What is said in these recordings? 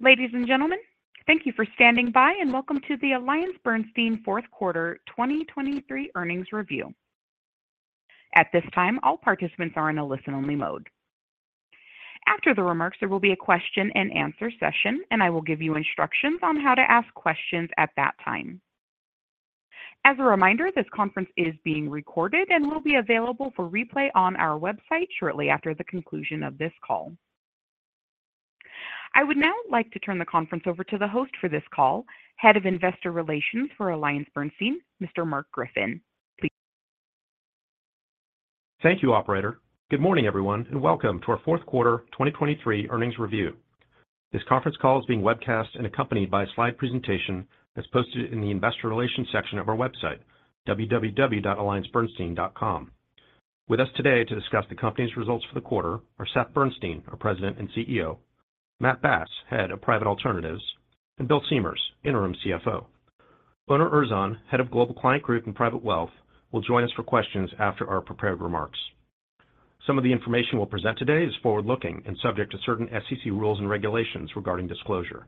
Ladies and gentlemen, thank you for standing by, and welcome to the AllianceBernstein Fourth Quarter 2023 Earnings Review. At this time, all participants are in a listen-only mode. After the remarks, there will be a question-and-answer session, and I will give you instructions on how to ask questions at that time. As a reminder, this conference is being recorded and will be available for replay on our website shortly after the conclusion of this call. I would now like to turn the conference over to the host for this call, Head of Investor Relations for AllianceBernstein, Mr. Mark Griffin. Please- Thank you, operator. Good morning, everyone, and welcome to our fourth quarter 2023 earnings review. This conference call is being webcast and accompanied by a slide presentation that's posted in the Investor Relations section of our website, www.alliancebernstein.com. With us today to discuss the company's results for the quarter are Seth Bernstein, our President and CEO, Matt Bass, Head of Private Alternatives, and Bill Siemers, Interim CFO. Onur Erzan, Head of Global Client Group and Private Wealth, will join us for questions after our prepared remarks. Some of the information we'll present today is forward-looking and subject to certain SEC rules and regulations regarding disclosure.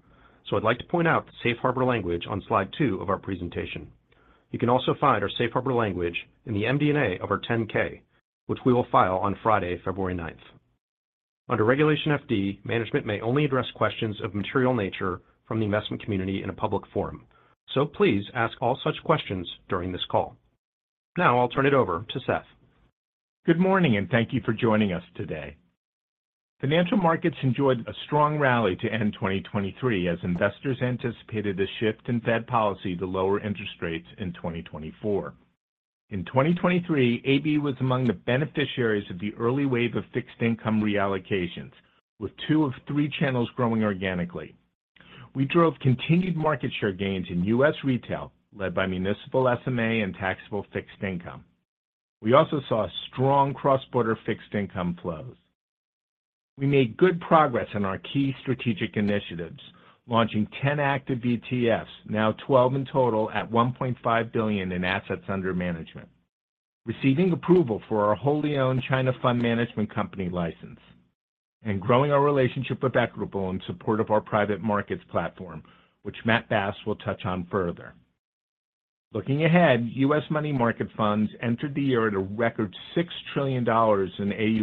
So I'd like to point out the safe harbor language on slide two of our presentation. You can also find our safe harbor language in the MD&A of our 10-K, which we will file on Friday, February 9. Under Regulation FD, management may only address questions of material nature from the investment community in a public forum. Please ask all such questions during this call. Now I'll turn it over to Seth. Good morning, and thank you for joining us today. Financial markets enjoyed a strong rally to end 2023 as investors anticipated a shift in Fed policy to lower interest rates in 2024. In 2023, AB was among the beneficiaries of the early wave of fixed income reallocations, with two of three channels growing organically. We drove continued market share gains in U.S. retail, led by municipal SMA and taxable fixed income. We also saw strong cross-border fixed income flows. We made good progress on our key strategic initiatives, launching 10 active ETFs, now 12 in total at $1.5 billion in assets under management, receiving approval for our wholly owned China fund management company license, and growing our relationship with Equitable in support of our private markets platform, which Matt Bass will touch on further. Looking ahead, U.S. money market funds entered the year at a record $6 trillion in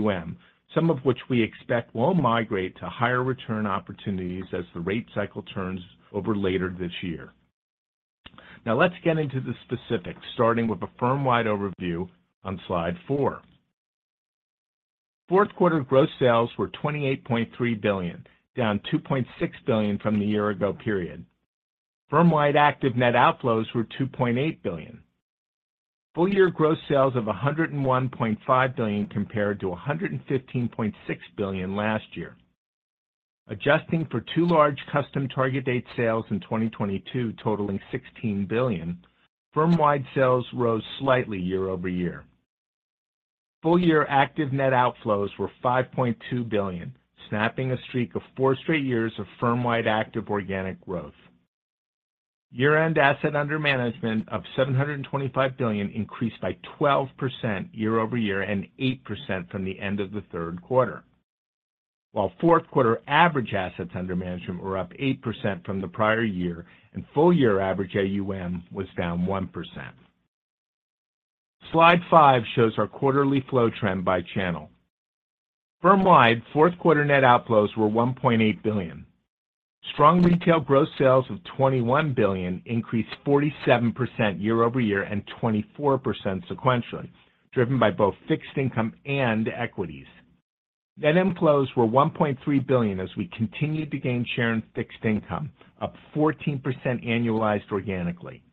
AUM, some of which we expect will migrate to higher return opportunities as the rate cycle turns over later this year. Now, let's get into the specifics, starting with a firm-wide overview on Slide four. Fourth quarter gross sales were $28.3 billion, down $2.6 billion from the year-ago period. Firm-wide active net outflows were $2.8 billion. Full year gross sales of $101.5 billion compared to $115.6 billion last year. Adjusting for two large custom target date sales in 2022, totaling $16 billion, firm-wide sales rose slightly year-over-year. Full year active net outflows were $5.2 billion, snapping a streak of four straight years of firm-wide active organic growth. Year-end assets under management of $725 billion increased by 12% year-over-year and 8% from the end of the third quarter. While fourth quarter average assets under management were up 8% from the prior year, and full year average AUM was down 1%. Slide five shows our quarterly flow trend by channel. Firm-wide, fourth quarter net outflows were $1.8 billion. Strong retail gross sales of $21 billion increased 47% year-over-year and 24% sequentially, driven by both fixed income and equities. Net inflows were $1.3 billion as we continued to gain share in fixed income, up 14% annualized organically.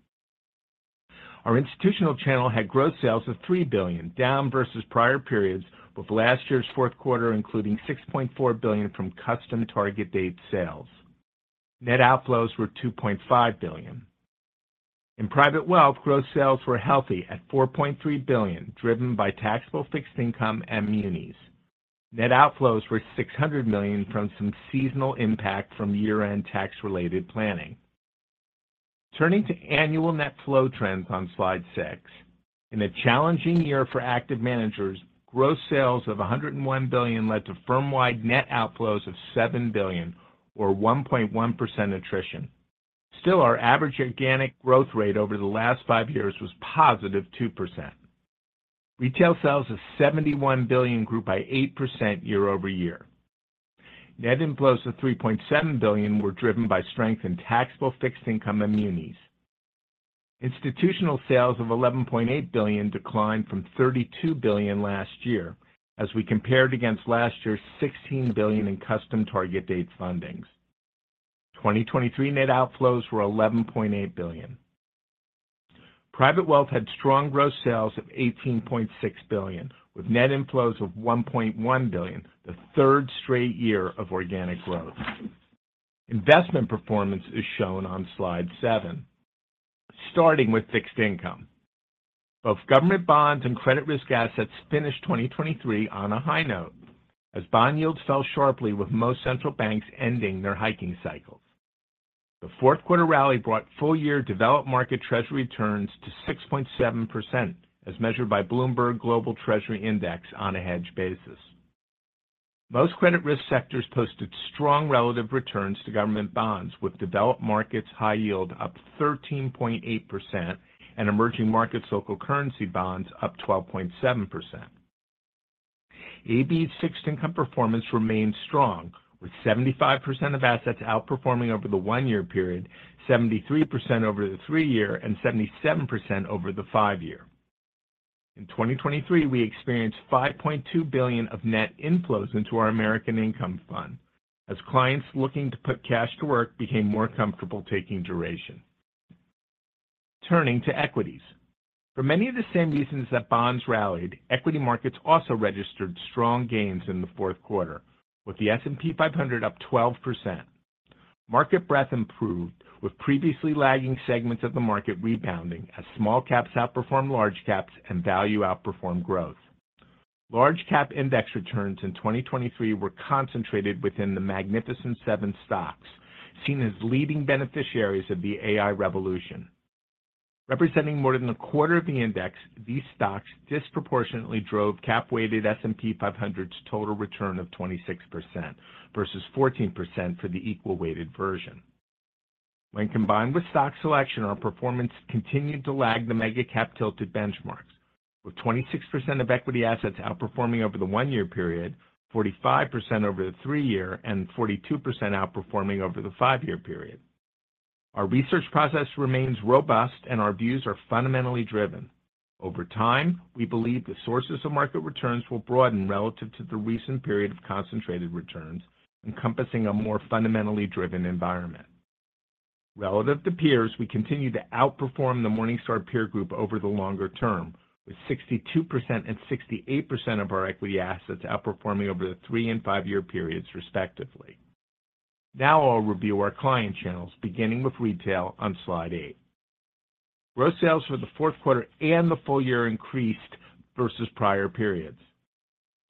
Our institutional channel had gross sales of $3 billion, down versus prior periods, with last year's fourth quarter, including $6.4 billion from Custom Target Date sales. Net outflows were $2.5 billion. In private wealth, gross sales were healthy at $4.3 billion, driven by taxable fixed income and munis. Net outflows were $600 million from some seasonal impact from year-end tax-related planning. Turning to annual net flow trends on Slide six. In a challenging year for active managers, gross sales of $101 billion led to firm-wide net outflows of $7 billion or 1.1% attrition. Still, our average organic growth rate over the last five years was positive 2%. Retail sales of $71 billion grew by 8% year-over-year. Net inflows of $3.7 billion were driven by strength in taxable fixed income and munis. Institutional sales of $11.8 billion declined from $32 billion last year, as we compared against last year's $16 billion in custom target date fundings. 2023 net outflows were $11.8 billion. Private Wealth had strong growth sales of $18.6 billion, with net inflows of $1.1 billion, the third straight year of organic growth. Investment performance is shown on Slide seven. Starting with Fixed Income. Both government bonds and credit risk assets finished 2023 on a high note, as bond yields fell sharply with most central banks ending their hiking cycle.... The fourth quarter rally brought full-year developed market treasury returns to 6.7%, as measured by Bloomberg Global Treasury Index on a hedged basis. Most credit risk sectors posted strong relative returns to government bonds, with developed markets high yield up 13.8% and emerging market local currency bonds up 12.7%. AB's Fixed Income performance remained strong, with 75% of assets outperforming over the one year period, 73% over the three year, and 77% over the five year. In 2023, we experienced $5.2 billion of net inflows into our American Income Fund, as clients looking to put cash to work became more comfortable taking duration. Turning to equities. For many of the same reasons that bonds rallied, equity markets also registered strong gains in the fourth quarter, with the S&P 500 up 12%. Market breadth improved, with previously lagging segments of the market rebounding as small caps outperformed large caps and value outperformed growth. Large cap index returns in 2023 were concentrated within the Magnificent Seven stocks, seen as leading beneficiaries of the AI revolution. Representing more than a quarter of the index, these stocks disproportionately drove cap-weighted S&P 500's total return of 26% versus 14% for the equal-weighted version. When combined with stock selection, our performance continued to lag the mega cap-tilted benchmarks, with 26% of equity assets outperforming over the one year period, 45% over the three year, and 42% outperforming over the five year period. Our research process remains robust, and our views are fundamentally driven. Over time, we believe the sources of market returns will broaden relative to the recent period of concentrated returns, encompassing a more fundamentally driven environment. Relative to peers, we continue to outperform the Morningstar peer group over the longer term, with 62% and 68% of our equity assets outperforming over the three and five year periods, respectively. Now I'll review our client channels, beginning with retail on slide eight. Gross sales for the fourth quarter and the full year increased versus prior periods.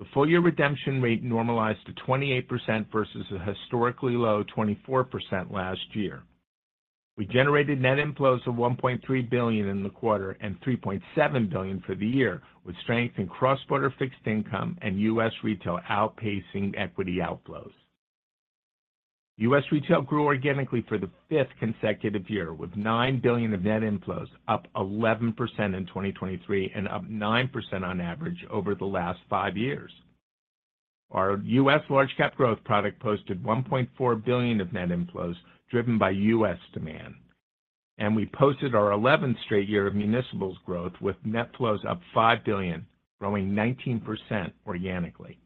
The full-year redemption rate normalized to 28% versus a historically low 24% last year. We generated net inflows of $1.3 billion in the quarter and $3.7 billion for the year, with strength in cross-border fixed income and U.S. retail outpacing equity outflows. U.S. retail grew organically for the fifth consecutive year, with $9 billion of net inflows, up 11% in 2023 and up 9% on average over the last five years. Our U.S. Large Cap Growth product posted $1.4 billion of net inflows, driven by U.S. demand, and we posted our eleventh straight year of municipals growth, with net flows up $5 billion, growing 19% organically.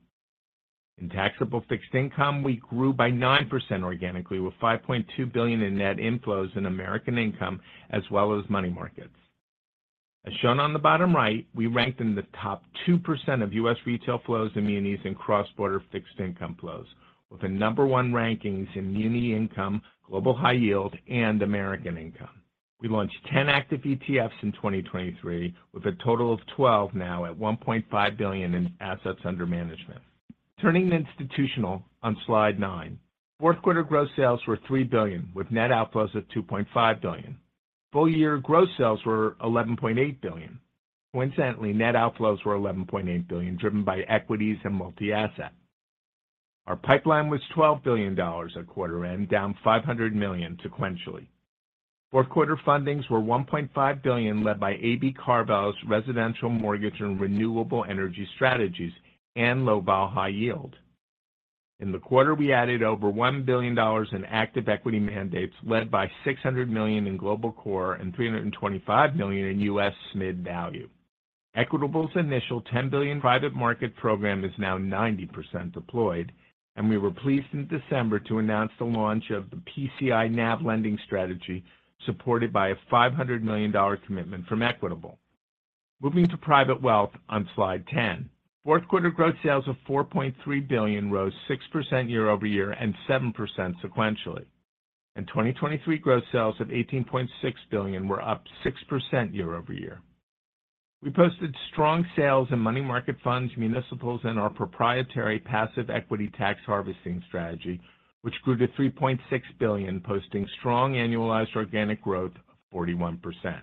In taxable fixed income, we grew by 9% organically, with $5.2 billion in net inflows in American Income, as well as money markets. As shown on the bottom right, we ranked in the top 2% of U.S. retail flows in munis and cross-border fixed income flows, with the number one rankings in muni income, Global High Yield, and American Income. We launched 10 active ETFs in 2023, with a total of 12 now at $1.5 billion in assets under management. Turning to institutional on slide nine. Fourth quarter gross sales were $3 billion, with net outflows of $2.5 billion. Full year gross sales were $11.8 billion. Coincidentally, net outflows were $11.8 billion, driven by equities and multi-asset. Our pipeline was $12 billion at quarter end, down $500 million sequentially. Fourth quarter fundings were $1.5 billion, led by AB CarVal's residential mortgage and renewable energy strategies and low-beta high yield. In the quarter, we added over $1 billion in active equity mandates, led by $600 million in Global Core and $325 million in U.S. Mid-Value. Equitable's initial $10 billion private market program is now 90% deployed, and we were pleased in December to announce the launch of the PCI NAV Lending Strategy, supported by a $500 million commitment from Equitable. Moving to private wealth on slide 10. Fourth quarter gross sales of $4.3 billion rose 6% year-over-year and 7% sequentially. In 2023, gross sales of $18.6 billion were up 6% year-over-year. We posted strong sales in money market funds, municipals, and our proprietary passive equity tax harvesting strategy, which grew to $3.6 billion, posting strong annualized organic growth of 41%.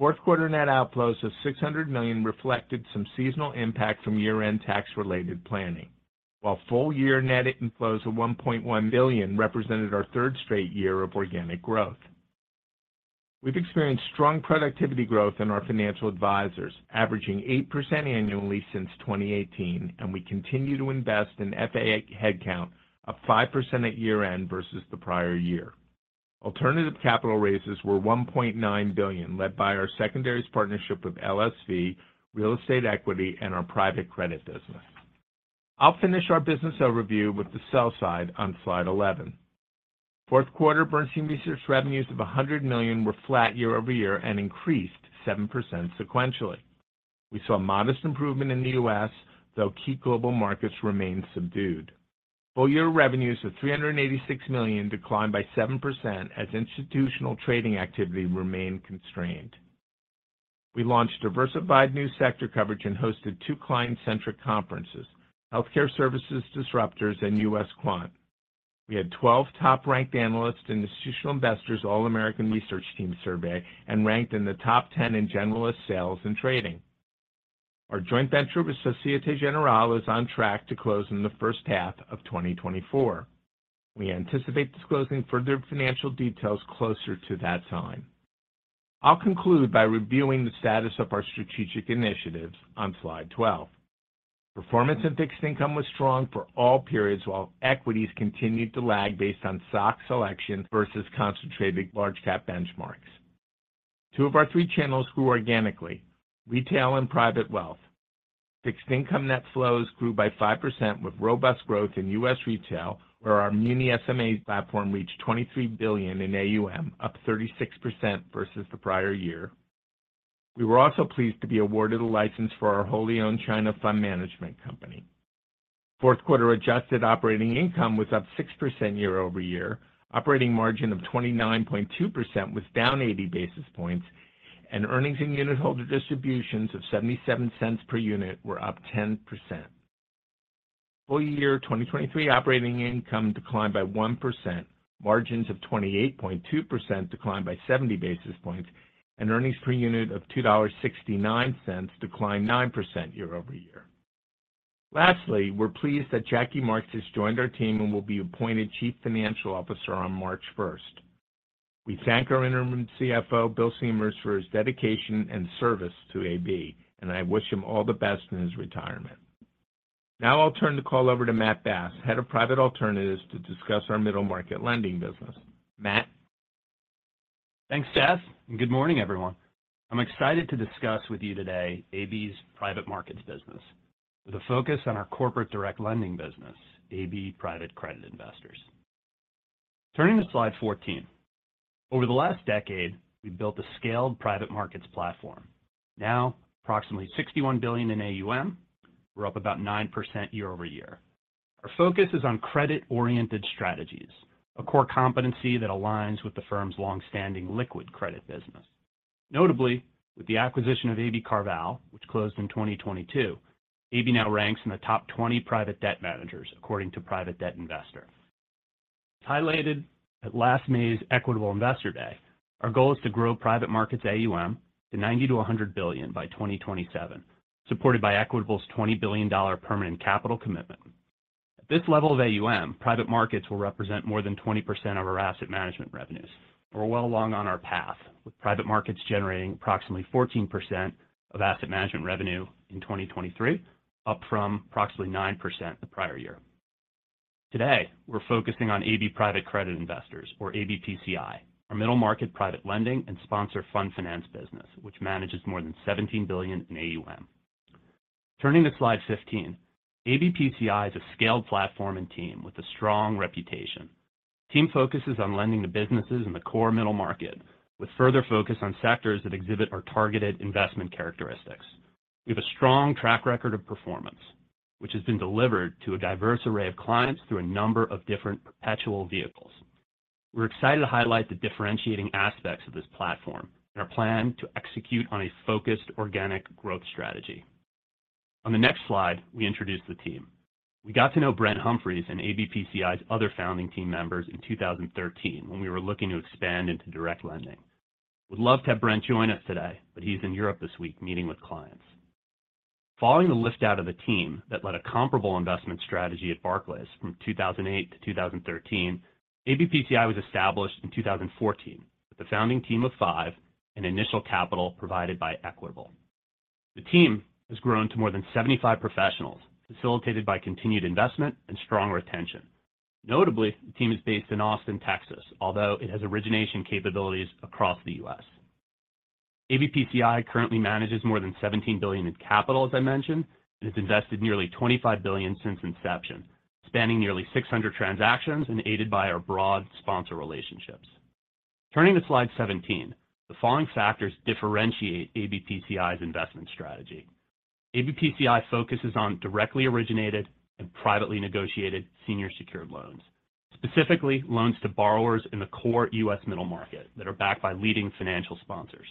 Fourth quarter net outflows of $600 million reflected some seasonal impact from year-end tax-related planning, while full-year net inflows of $1.1 billion represented our third straight year of organic growth. We've experienced strong productivity growth in our financial advisors, averaging 8% annually since 2018, and we continue to invest in FA head count, up 5% at year-end versus the prior year. Alternative capital raises were $1.9 billion, led by our secondaries partnership with LSV, Real Estate Equity, and our private credit business. I'll finish our business overview with the sell side on slide 11. Fourth quarter Bernstein Research revenues of $100 million were flat year-over-year and increased 7% sequentially. We saw modest improvement in the U.S., though key global markets remained subdued. Full year revenues of $386 million declined by 7%, as institutional trading activity remained constrained.... We launched diversified new sector coverage and hosted two client-centric conferences, Healthcare Services Disruptors and U.S. Quant. We had 12 top-ranked analysts and Institutional Investor's, All-America Research Team Survey, and ranked in the top 10 in generalist, sales, and trading. Our joint venture with Société Générale is on track to close in the first half of 2024. We anticipate disclosing further financial details closer to that time. I'll conclude by reviewing the status of our strategic initiatives on slide 12. Performance in fixed income was strong for all periods, while equities continued to lag based on stock selection versus concentrated large cap benchmarks. Two of our three channels grew organically: retail and private wealth. Fixed income net flows grew by 5% with robust growth in U.S. retail, where our Muni SMA platform reached $23 billion in AUM, up 36% versus the prior year. We were also pleased to be awarded a license for our wholly-owned China fund management company. Fourth quarter adjusted operating income was up 6% year-over-year. Operating margin of 29.2% was down 80 basis points, and earnings and unitholder distributions of $0.77 per unit were up 10%. Full year 2023 operating income declined by 1%, margins of 28.2% declined by 70 basis points, and earnings per unit of $2.69 declined 9% year-over-year. Lastly, we're pleased that Jackie Marks has joined our team and will be appointed Chief Financial Officer on March 1. We thank our Interim CFO, Bill Siemers, for his dedication and service to AB, and I wish him all the best in his retirement. Now I'll turn the call over to Matt Bass, Head of Private Alternatives, to discuss our middle market lending business. Matt? Thanks, Seth, and good morning, everyone. I'm excited to discuss with you today AB's private markets business, with a focus on our corporate direct lending business, AB Private Credit Investors. Turning to slide 14. Over the last decade, we've built a scaled private markets platform. Now, approximately $61 billion in AUM, we're up about 9% year-over-year. Our focus is on credit-oriented strategies, a core competency that aligns with the firm's long-standing liquid credit business. Notably, with the acquisition of AB CarVal, which closed in 2022, AB now ranks in the top 20 private debt managers, according to Private Debt Investor. As highlighted at last May's Equitable Investor Day, our goal is to grow private markets AUM to $90 billion-$100 billion by 2027, supported by Equitable's $20 billion permanent capital commitment. At this level of AUM, private markets will represent more than 20% of our asset management revenues. We're well along on our path, with private markets generating approximately 14% of asset management revenue in 2023, up from approximately 9% the prior year. Today, we're focusing on AB Private Credit Investors, or ABPCI, our middle market private lending and sponsor fund finance business, which manages more than $17 billion in AUM. Turning to slide 15. ABPCI is a scaled platform and team with a strong reputation. Team focuses on lending to businesses in the core middle market, with further focus on sectors that exhibit our targeted investment characteristics. We have a strong track record of performance, which has been delivered to a diverse array of clients through a number of different perpetual vehicles. We're excited to highlight the differentiating aspects of this platform and our plan to execute on a focused organic growth strategy. On the next slide, we introduce the team. We got to know Brent Humphreys and ABPCI's other founding team members in 2013, when we were looking to expand into direct lending. Would love to have Brent join us today, but he's in Europe this week, meeting with clients. Following the list out of the team that led a comparable investment strategy at Barclays from 2008 to 2013, ABPCI was established in 2014, with a founding team of five and initial capital provided by Equitable. The team has grown to more than 75 professionals, facilitated by continued investment and strong retention. Notably, the team is based in Austin, Texas, although it has origination capabilities across the U.S. ABPCI currently manages more than $17 billion in capital, as I mentioned, and has invested nearly $25 billion since inception, spanning nearly 600 transactions and aided by our broad sponsor relationships. Turning to slide 17, the following factors differentiate ABPCI's investment strategy. ABPCI focuses on directly originated and privately negotiated senior secured loans, specifically loans to borrowers in the core U.S. middle market that are backed by leading financial sponsors.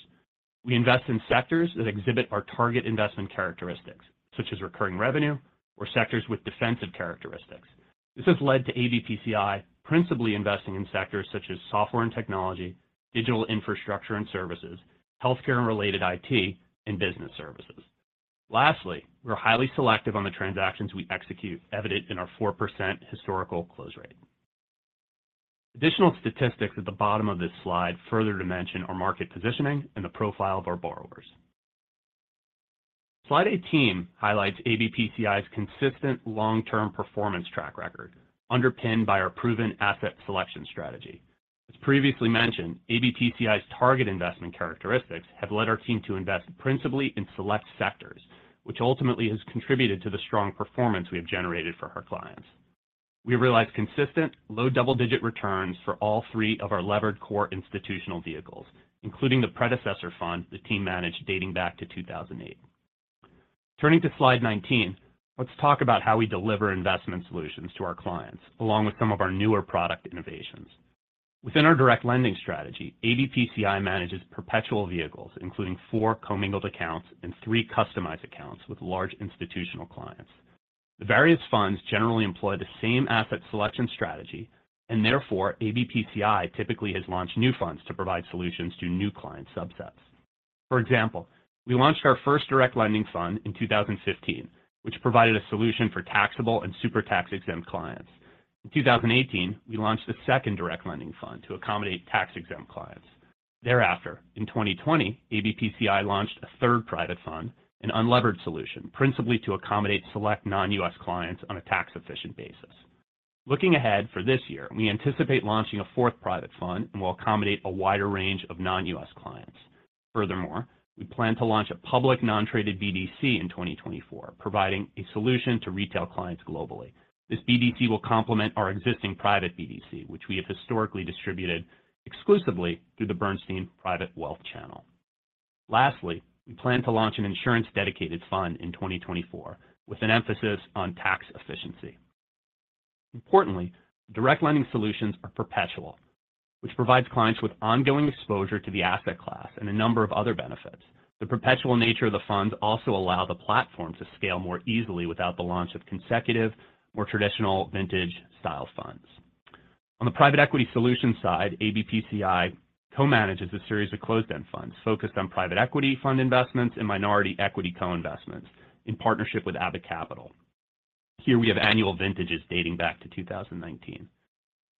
We invest in sectors that exhibit our target investment characteristics, such as recurring revenue or sectors with defensive characteristics. This has led to ABPCI principally investing in sectors such as software and technology, digital infrastructure and services, healthcare and related IT, and business services. Lastly, we're highly selective on the transactions we execute, evident in our 4% historical close rate. Additional statistics at the bottom of this slide further dimension our market positioning and the profile of our borrowers. Slide 18 highlights ABPCI's consistent long-term performance track record, underpinned by our proven asset selection strategy. As previously mentioned, ABPCI's target investment characteristics have led our team to invest principally in select sectors, which ultimately has contributed to the strong performance we have generated for our clients. We realized consistent low double-digit returns for all three of our levered core institutional vehicles, including the predecessor fund the team managed dating back to 2008.... Turning to Slide 19, let's talk about how we deliver investment solutions to our clients, along with some of our newer product innovations. Within our direct lending strategy, ABPCI manages perpetual vehicles, including four commingled accounts and three customized accounts with large institutional clients. The various funds generally employ the same asset selection strategy, and therefore, ABPCI typically has launched new funds to provide solutions to new client subsets. For example, we launched our first direct lending fund in 2015, which provided a solution for taxable and super tax-exempt clients. In 2018, we launched the second direct lending fund to accommodate tax-exempt clients. Thereafter, in 2020, ABPCI launched a third private fund, an unlevered solution, principally to accommodate select non-U.S. clients on a tax-efficient basis. Looking ahead for this year, we anticipate launching a fourth private fund and will accommodate a wider range of non-U.S. clients. Furthermore, we plan to launch a public non-traded BDC in 2024, providing a solution to retail clients globally. This BDC will complement our existing private BDC, which we have historically distributed exclusively through the Bernstein Private Wealth Channel. Lastly, we plan to launch an insurance-dedicated fund in 2024, with an emphasis on tax efficiency. Importantly, direct lending solutions are perpetual, which provides clients with ongoing exposure to the asset class and a number of other benefits. The perpetual nature of the funds also allow the platform to scale more easily without the launch of consecutive, more traditional vintage style funds. On the private equity solution side, ABPCI co-manages a series of closed-end funds focused on private equity fund investments and minority equity co-investments in partnership with Abbott Capital. Here we have annual vintages dating back to 2019.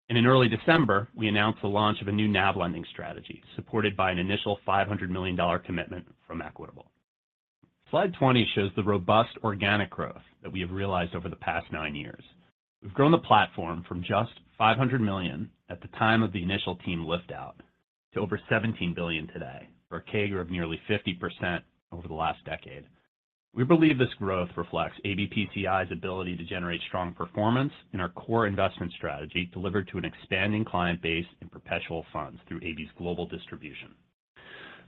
And in early December, we announced the launch of a new NAV lending strategy, supported by an initial $500 million commitment from Equitable. Slide 20 shows the robust organic growth that we have realized over the past nine years. We've grown the platform from just $500 million at the time of the initial team lift out to over $17 billion today, for a CAGR of nearly 50% over the last decade. We believe this growth reflects ABPCI's ability to generate strong performance in our core investment strategy, delivered to an expanding client base in perpetual funds through AB's global distribution.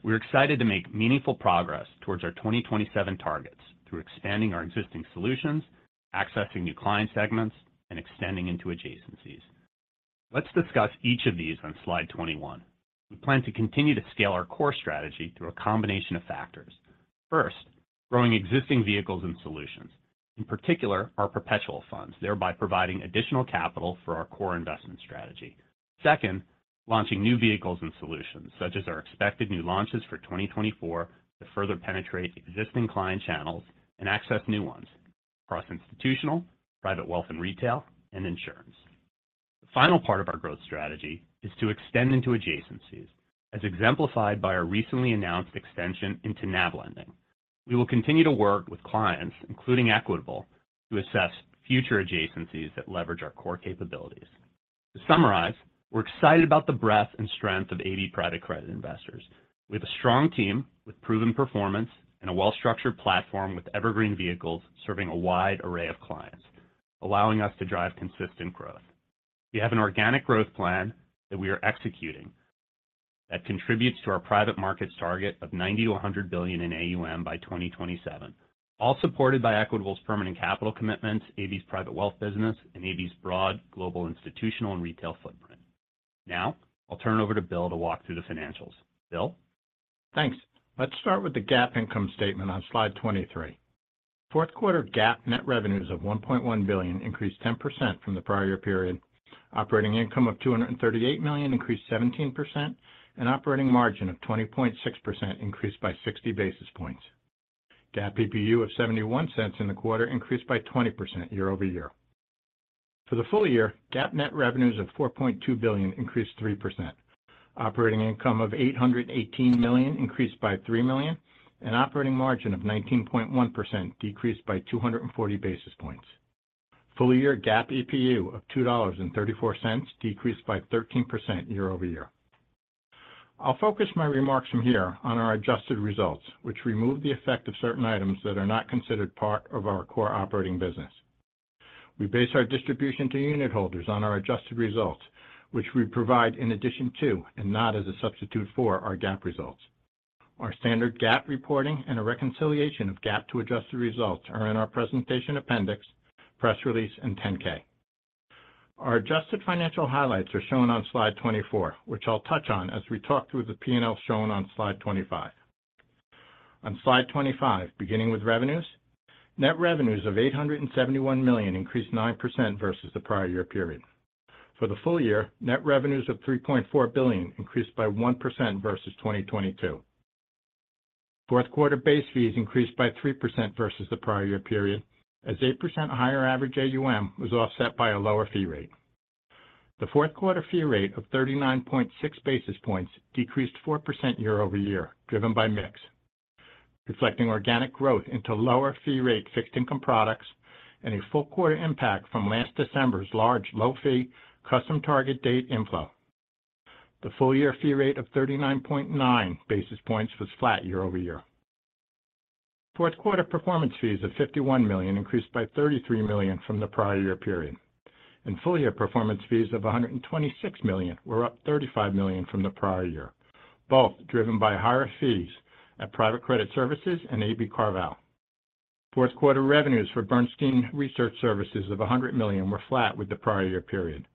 We're excited to make meaningful progress towards our 2027 targets through expanding our existing solutions, accessing new client segments, and extending into adjacencies. Let's discuss each of these on slide 21. We plan to continue to scale our core strategy through a combination of factors. First, growing existing vehicles and solutions, in particular our perpetual funds, thereby providing additional capital for our core investment strategy. Second, launching new vehicles and solutions, such as our expected new launches for 2024, to further penetrate existing client channels and access new ones across institutional, private wealth and retail, and insurance. The final part of our growth strategy is to extend into adjacencies, as exemplified by our recently announced extension into NAV lending. We will continue to work with clients, including Equitable, to assess future adjacencies that leverage our core capabilities. To summarize, we're excited about the breadth and strength of AB Private Credit Investors. We have a strong team with proven performance and a well-structured platform with evergreen vehicles serving a wide array of clients, allowing us to drive consistent growth. We have an organic growth plan that we are executing that contributes to our private markets target of $90 billion-$100 billion in AUM by 2027, all supported by Equitable's permanent capital commitments, AB's private wealth business, and AB's broad global institutional and retail footprint. Now, I'll turn it over to Bill to walk through the financials. Bill? Thanks. Let's start with the GAAP income statement on slide 23. Fourth quarter GAAP net revenues of $1.1 billion increased 10% from the prior period. Operating income of $238 million increased 17%, and operating margin of 20.6% increased by 60 basis points. GAAP EPU of $0.71 in the quarter increased by 20% year over year. For the full year, GAAP net revenues of $4.2 billion increased 3%. Operating income of $818 million increased by $3 million, and operating margin of 19.1% decreased by 240 basis points. Full year GAAP EPU of $2.34 decreased by 13% year over year. I'll focus my remarks from here on our adjusted results, which remove the effect of certain items that are not considered part of our core operating business. We base our distribution to unit holders on our adjusted results, which we provide in addition to, and not as a substitute for, our GAAP results. Our standard GAAP reporting and a reconciliation of GAAP to adjusted results are in our presentation appendix, press release, and 10-K. Our adjusted financial highlights are shown on slide 24, which I'll touch on as we talk through the P&L shown on slide 25. On slide 25, beginning with revenues. Net revenues of $871 million increased 9% versus the prior year period. For the full year, net revenues of $3.4 billion increased by 1% versus 2022. Fourth quarter base fees increased by 3% versus the prior year period, as 8% higher average AUM was offset by a lower fee rate. The fourth quarter fee rate of 39.6 basis points decreased 4% year-over-year, driven by mix, reflecting organic growth into lower fee rate fixed income products and a full quarter impact from last December's large, low-fee, Custom Target Date inflow. The full-year fee rate of 39.9 basis points was flat year-over-year. Fourth quarter performance fees of $51 million increased by $33 million from the prior year period, and full-year performance fees of $126 million were up $35 million from the prior year, both driven by higher fees at private credit services and AB CarVal. Fourth quarter revenues for Bernstein Research Services of $100 million were flat with the prior year period.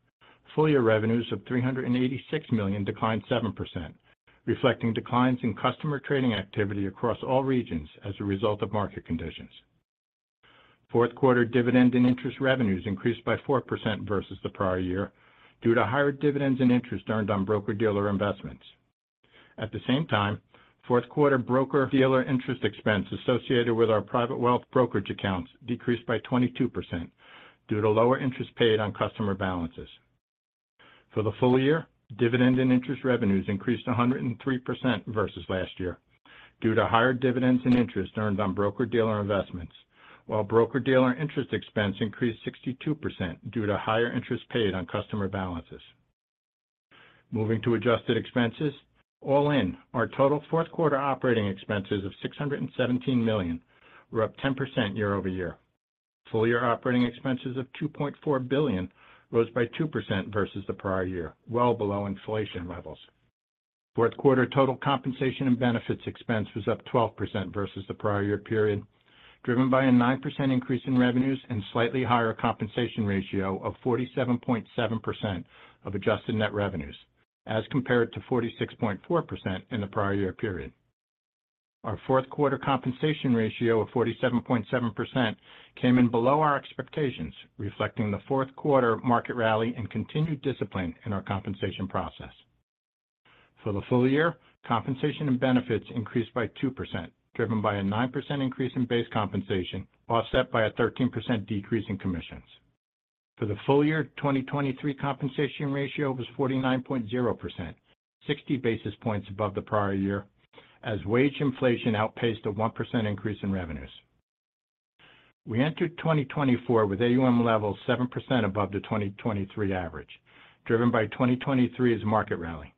Full-year revenues of $386 million declined 7%, reflecting declines in customer trading activity across all regions as a result of market conditions. Fourth quarter dividend and interest revenues increased by 4% versus the prior year, due to higher dividends and interest earned on broker-dealer investments. At the same time, fourth quarter broker-dealer interest expense associated with our private wealth brokerage accounts decreased by 22% due to lower interest paid on customer balances. For the full year, dividend and interest revenues increased 103% versus last year, due to higher dividends and interest earned on broker-dealer investments, while broker-dealer interest expense increased 62% due to higher interest paid on customer balances. Moving to adjusted expenses. All in, our total fourth quarter operating expenses of $617 million were up 10% year-over-year. Full-year operating expenses of $2.4 billion rose by 2% versus the prior year, well below inflation levels. Fourth quarter total compensation and benefits expense was up 12% versus the prior year period, driven by a 9% increase in revenues and slightly higher compensation ratio of 47.7% of adjusted net revenues, as compared to 46.4% in the prior year period. Our fourth quarter compensation ratio of 47.7% came in below our expectations, reflecting the fourth quarter market rally and continued discipline in our compensation process. For the full year, compensation and benefits increased by 2%, driven by a 9% increase in base compensation, offset by a 13% decrease in commissions. For the full year, 2023 compensation ratio was 49.0%, 60 basis points above the prior year, as wage inflation outpaced a 1% increase in revenues. We entered 2024 with AUM levels 7% above the 2023 average, driven by 2023's market rally.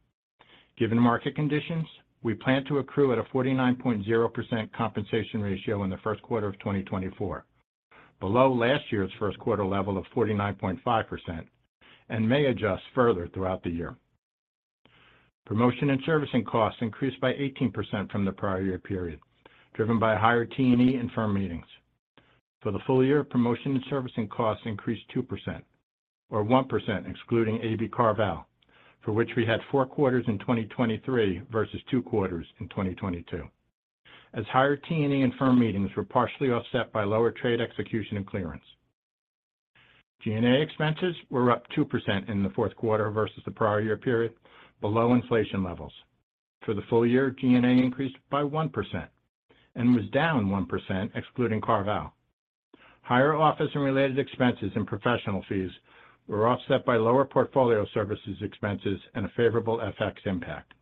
Given the market conditions, we plan to accrue at a 49.0% compensation ratio in the first quarter of 2024, below last year's first quarter level of 49.5%, and may adjust further throughout the year. Promotion and servicing costs increased by 18% from the prior year period, driven by higher T&E and firm meetings. For the full year, promotion and servicing costs increased 2%, or 1%, excluding AB CarVal, for which we had four quarters in 2023 versus two quarters in 2022, as higher T&E and firm meetings were partially offset by lower trade, execution, and clearance. G&A expenses were up 2% in the fourth quarter versus the prior year period, below inflation levels. For the full year, G&A increased by 1% and was down 1%, excluding CarVal. Higher office and related expenses and professional fees were offset by lower portfolio services expenses and a favorable FX impact.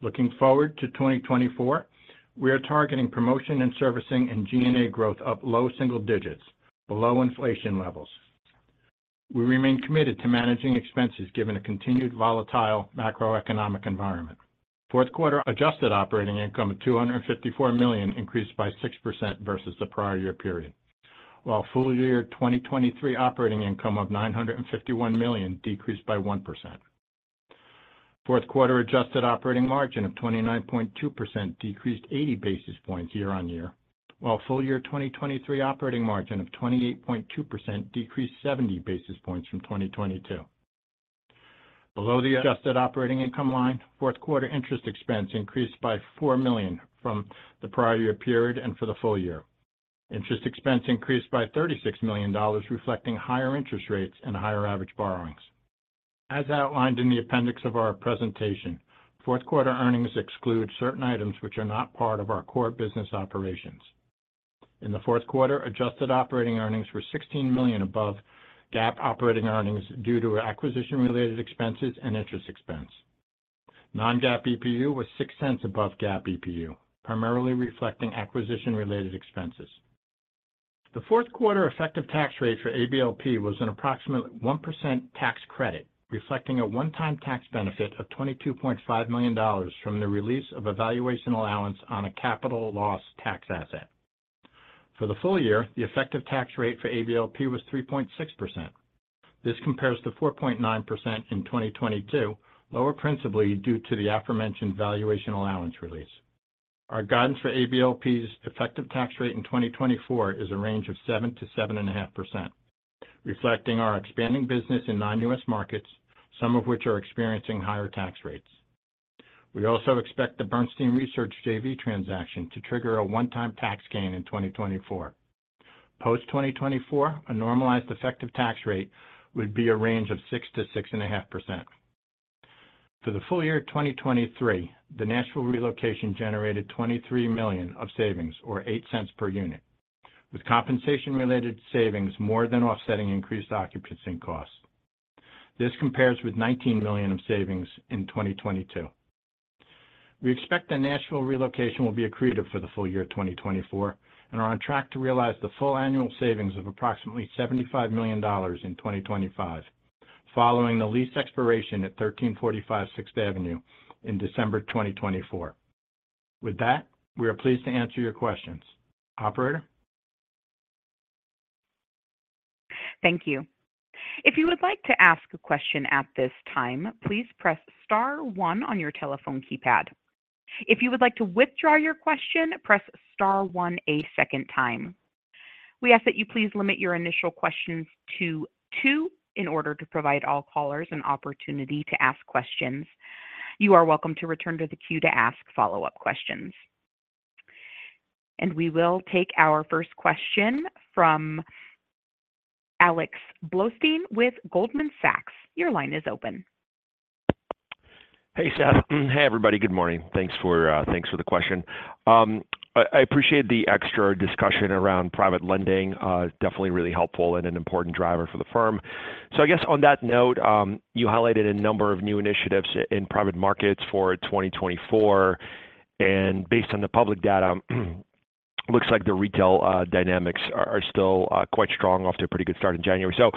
Looking forward to 2024, we are targeting promotion and servicing and G&A growth up low single digits, below inflation levels. We remain committed to managing expenses, given a continued volatile macroeconomic environment. Fourth quarter adjusted operating income of $254 million increased by 6% versus the prior year period, while full year 2023 operating income of $951 million decreased by 1%. Fourth quarter adjusted operating margin of 29.2% decreased 80 basis points year-on-year, while full year 2023 operating margin of 28.2% decreased 70 basis points from 2022. Below the adjusted operating income line, fourth quarter interest expense increased by $4 million from the prior year period and for the full year. Interest expense increased by $36 million, reflecting higher interest rates and higher average borrowings. As outlined in the appendix of our presentation, fourth quarter earnings exclude certain items which are not part of our core business operations. In the fourth quarter, adjusted operating earnings were $16 million above GAAP operating earnings due to acquisition-related expenses and interest expense. Non-GAAP EPU was $0.06 above GAAP EPU, primarily reflecting acquisition-related expenses. The fourth quarter effective tax rate for ABLP was an approximately 1% tax credit, reflecting a one-time tax benefit of $22.5 million from the release of a valuation allowance on a capital loss tax asset. For the full year, the effective tax rate for ABLP was 3.6%. This compares to 4.9% in 2022, lower principally due to the aforementioned valuation allowance release. Our guidance for ABLP's effective tax rate in 2024 is a range of 7%-7.5%, reflecting our expanding business in non-U.S. markets, some of which are experiencing higher tax rates. We also expect the Bernstein Research JV transaction to trigger a one-time tax gain in 2024. Post-2024, a normalized effective tax rate would be a range of 6%-6.5%. For the full year 2023, the Nashville relocation generated $23 million of savings, or $0.08 per unit, with compensation-related savings more than offsetting increased occupancy costs. This compares with $19 million of savings in 2022. We expect the Nashville relocation will be accretive for the full year 2024 and are on track to realize the full annual savings of approximately $75 million in 2025, following the lease expiration at 1345 Sixth Avenue in December 2024. With that, we are pleased to answer your questions. Operator? Thank you. If you would like to ask a question at this time, please press star one on your telephone keypad. If you would like to withdraw your question, press star one a second time. We ask that you please limit your initial questions to two in order to provide all callers an opportunity to ask questions. You are welcome to return to the queue to ask follow-up questions. We will take our first question from Alex Blostein with Goldman Sachs. Your line is open. Hey, Seth. Hey, everybody. Good morning. Thanks for the question. I appreciate the extra discussion around private lending. Definitely really helpful and an important driver for the firm. So I guess on that note, you highlighted a number of new initiatives in private markets for 2024, and based on the public data, looks like the retail dynamics are still quite strong off to a pretty good start in January. So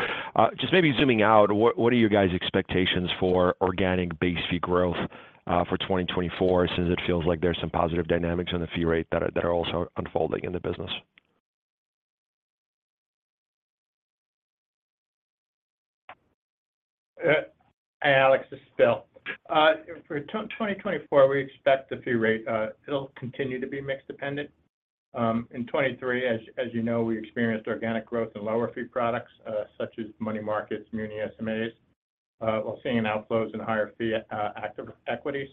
just maybe zooming out, what are your guys' expectations for organic base fee growth for 2024, since it feels like there's some positive dynamics on the fee rate that are also unfolding in the business? Hi, Alex, this is Bill. For 2024, we expect the fee rate; it'll continue to be mix dependent. In 2023, as you know, we experienced organic growth in lower fee products, such as money markets, Muni SMAs, while seeing outflows in higher fee active equities.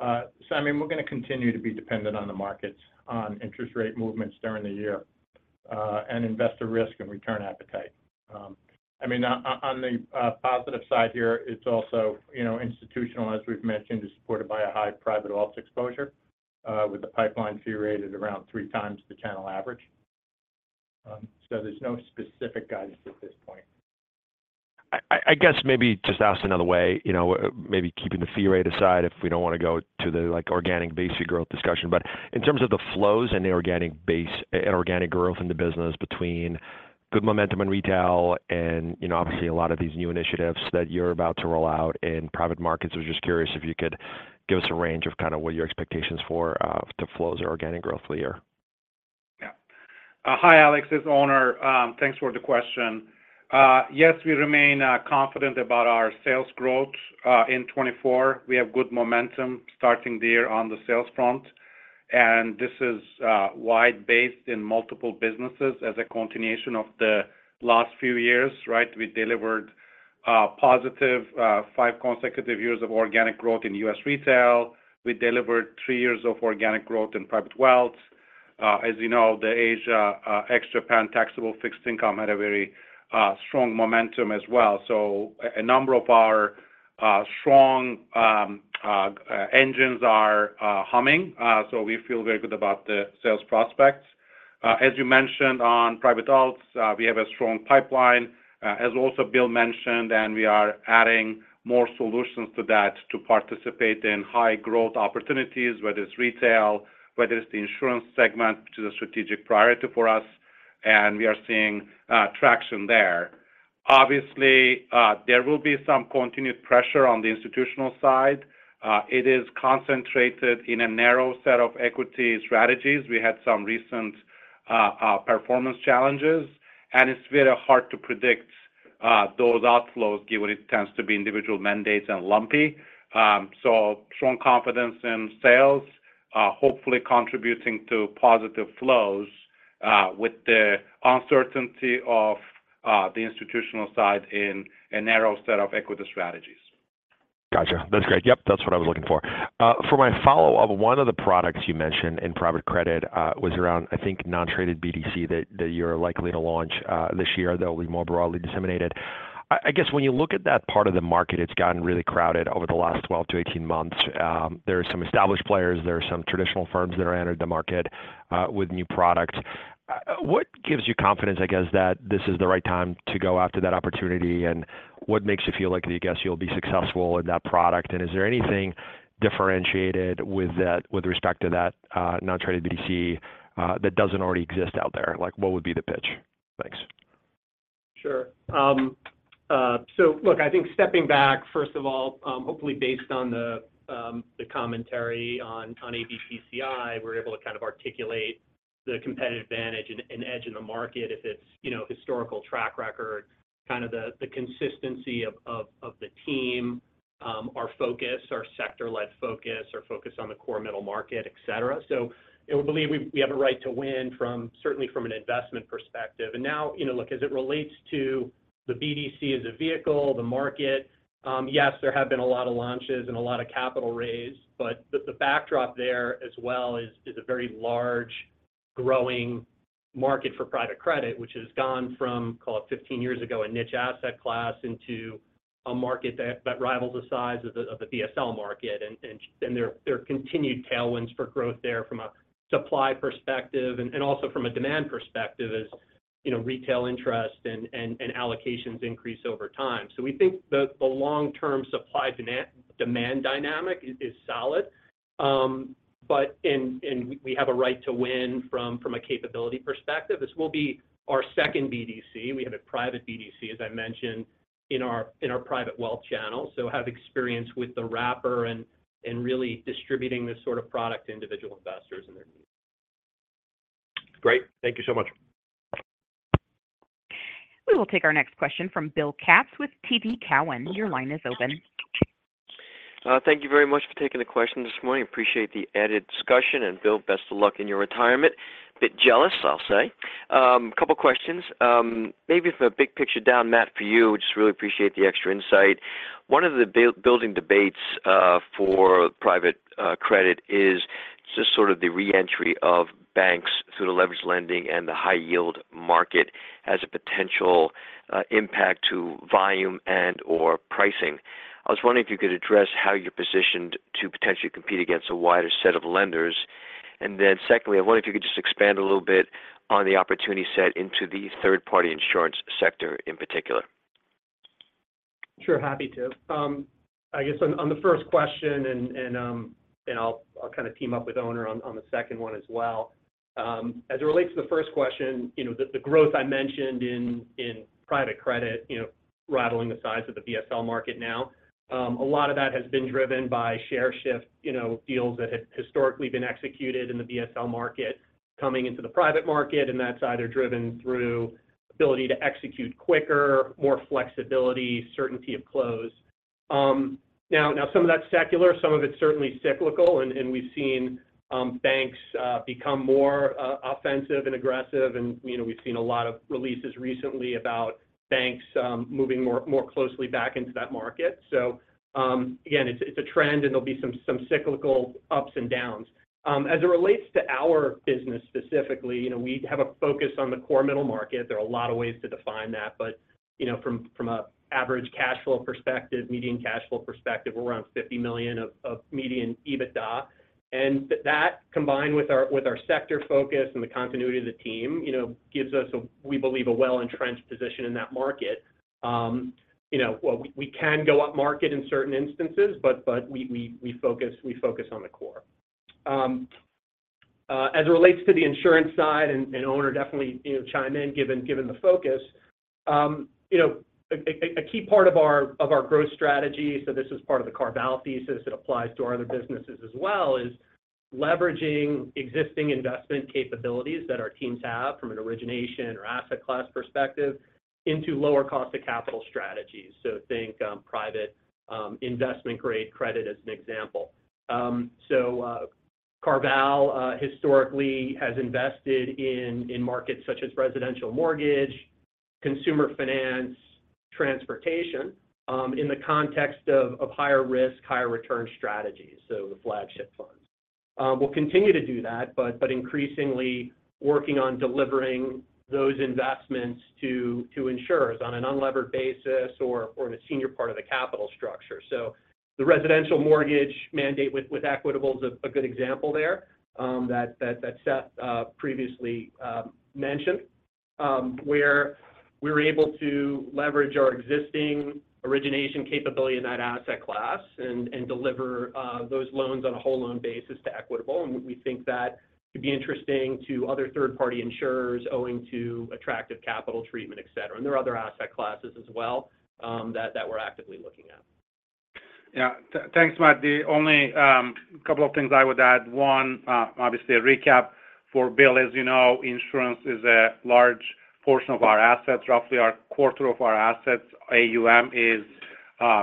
So I mean, we're gonna continue to be dependent on the markets, on interest rate movements during the year, and investor risk and return appetite. I mean, on the positive side here, it's also, you know, institutional, as we've mentioned, is supported by a high private wealth exposure, with the pipeline fee rated around 3x the channel average. So there's no specific guidance at this point. I guess maybe just ask another way, you know, maybe keeping the fee rate aside, if we don't want to go to the like organic basic growth discussion. But in terms of the flows and the organic base and organic growth in the business between good momentum and retail and, you know, obviously a lot of these new initiatives that you're about to roll out in private markets. I was just curious if you could give us a range of kind of what your expectations for the flows or organic growth for the year. Yeah. Hi, Alex, this is Onur. Thanks for the question. Yes, we remain confident about our sales growth. In 2024, we have good momentum starting the year on the sales front, and this is wide-based in multiple businesses as a continuation of the last few years, right? We delivered positive five consecutive years of organic growth in U.S. retail. We delivered three years of organic growth in private wealth. As you know, the Asia ex-Japan taxable fixed income had a very strong momentum as well. So a number of our strong engines are humming, so we feel very good about the sales prospects. As you mentioned on private alts, we have a strong pipeline, as also Bill mentioned, and we are adding more solutions to that to participate in high growth opportunities, whether it's retail, whether it's the insurance segment, which is a strategic priority for us, and we are seeing traction there. Obviously, there will be some continued pressure on the institutional side. It is concentrated in a narrow set of equity strategies. We had some recent performance challenges, and it's very hard to predict those outflows, given it tends to be individual mandates and lumpy. So strong confidence in sales, hopefully contributing to positive flows, with the uncertainty of the institutional side in a narrow set of equity strategies. Gotcha. That's great. Yep, that's what I was looking for. For my follow-up, one of the products you mentioned in private credit was around, I think, non-traded BDC that you're likely to launch this year that will be more broadly disseminated. I guess when you look at that part of the market, it's gotten really crowded over the last 12-18 months. There are some established players, there are some traditional firms that are entered the market with new product. What gives you confidence, I guess, that this is the right time to go after that opportunity? And what makes you feel like, I guess you'll be successful in that product? And is there anything differentiated with that with respect to that non-traded BDC that doesn't already exist out there? Like, what would be the pitch? Thanks. Sure. So look, I think stepping back, first of all, hopefully based on the, the commentary on, on ABPCI, we're able to kind of articulate the competitive advantage and, and edge in the market if it's, you know, historical track record, kind of the, the consistency of, of, of the team, our focus, our sector-led focus, our focus on the core middle market, et cetera. So we believe we, we have a right to win from, certainly from an investment perspective. Now, you know, look, as it relates to the BDC as a vehicle, the market, yes, there have been a lot of launches and a lot of capital raised, but the backdrop there as well is a very large growing market for private credit, which has gone from, call it 15 years ago, a niche asset class into a market that rivals the size of the BSL market. And there are continued tailwinds for growth there from a supply perspective and also from a demand perspective, as you know, retail interest and allocations increase over time. So we think the long-term supply-demand dynamic is solid. But we have a right to win from a capability perspective. This will be our second BDC. We have a private BDC, as I mentioned, in our, in our private wealth channel. So have experience with the wrapper and, and really distributing this sort of product to individual investors and their needs. Great. Thank you so much. We will take our next question from Bill Katz with TD Cowen. Your line is open. Thank you very much for taking the question this morning. Appreciate the added discussion, and Bill, best of luck in your retirement. Bit jealous, I'll say. A couple questions. Maybe for a big picture down, Matt, for you, just really appreciate the extra insight. One of the building debates for private credit is just sort of the re-entry of banks through the leverage lending and the high yield market as a potential impact to volume and/or pricing. I was wondering if you could address how you're positioned to potentially compete against a wider set of lenders. And then secondly, I wonder if you could just expand a little bit on the opportunity set into the third-party insurance sector in particular. Sure, happy to. I guess on the first question, and I'll kind of team up with Onur on the second one as well. As it relates to the first question, you know, the growth I mentioned in private credit, you know, rather than the size of the BSL market now. A lot of that has been driven by share shift, you know, deals that have historically been executed in the BSL market coming into the private market, and that's either driven through ability to execute quicker, more flexibility, certainty of close. Now some of that's secular, some of it's certainly cyclical, and we've seen banks become more offensive and aggressive. And, you know, we've seen a lot of releases recently about banks moving more closely back into that market. So, again, it's a trend, and there'll be some cyclical ups and downs. As it relates to our business specifically, you know, we have a focus on the core middle market. There are a lot of ways to define that, but, you know, from an average cash flow perspective, median cash flow perspective, we're around $50 million of median EBITDA. And that, combined with our sector focus and the continuity of the team, you know, gives us a we believe, a well-entrenched position in that market. You know, well, we can go upmarket in certain instances, but we focus on the core. As it relates to the insurance side, and Onur, definitely, you know, chime in, given the focus. You know, a key part of our growth strategy, so this is part of the CarVal thesis that applies to our other businesses as well, is leveraging existing investment capabilities that our teams have from an origination or asset class perspective into lower cost of capital strategies. So think private investment-grade credit as an example. So CarVal historically has invested in markets such as residential mortgage, consumer finance, transportation in the context of higher risk, higher return strategies, so the flagship funds. We'll continue to do that, but increasingly working on delivering those investments to insurers on an unlevered basis or in a senior part of the capital structure. So the residential mortgage mandate with Equitable is a good example there, that Seth previously mentioned. where we were able to leverage our existing origination capability in that asset class and deliver those loans on a whole loan basis to Equitable. We think that could be interesting to other third-party insurers owing to attractive capital treatment, et cetera. There are other asset classes as well, that we're actively looking at. Yeah. Thanks, Matt. The only couple of things I would add. One, obviously a recap for Bill. As you know, insurance is a large portion of our assets. Roughly a quarter of our assets, AUM, is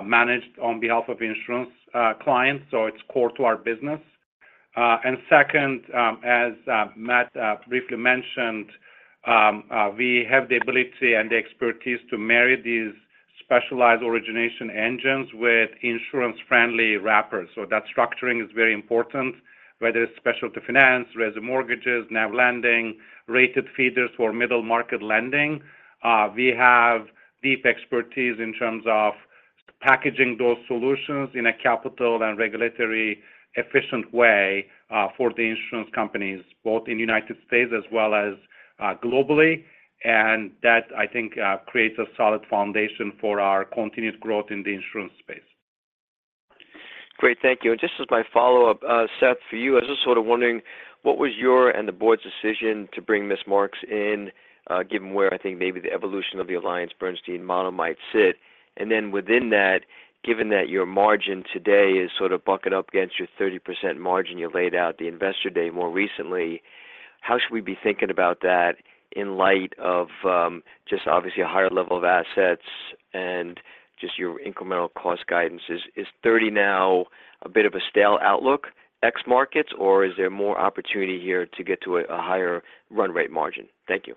managed on behalf of insurance clients, so it's core to our business. And second, as Matt briefly mentioned, we have the ability and the expertise to marry these specialized origination engines with insurance-friendly wrappers. So that structuring is very important, whether it's specialty finance, res mortgages, NAV lending, rated feeders for middle-market lending. We have deep expertise in terms of packaging those solutions in a capital and regulatory efficient way for the insurance companies, both in the United States as well as globally. And that, I think, creates a solid foundation for our continued growth in the insurance space. Great. Thank you. And just as my follow-up, Seth, for you, I was just sort of wondering what was your and the board's decision to bring Ms. Marks in, given where I think maybe the evolution of the AllianceBernstein model might sit? And then within that, given that your margin today is sort of bucking up against your 30% margin you laid out at the Investor Day more recently, how should we be thinking about that in light of, just obviously a higher level of assets and just your incremental cost guidance? Is thirty now a bit of a stale outlook ex markets, or is there more opportunity here to get to a higher run rate margin? Thank you.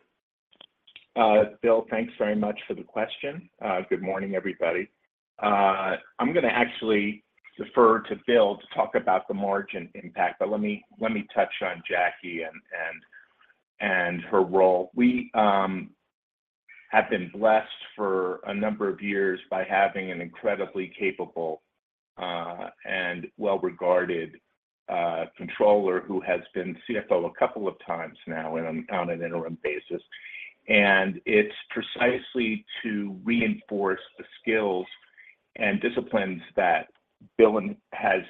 Bill, thanks very much for the question. Good morning, everybody. I'm going to actually defer to Bill to talk about the margin impact, but let me touch on Jackie and her role. We have been blessed for a number of years by having an incredibly capable and well-regarded controller who has been CFO a couple of times now on an interim basis. It's precisely to reinforce the skills and disciplines that Bill has